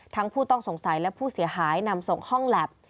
ผู้ต้องสงสัยและผู้เสียหายนำส่งห้องแล็บ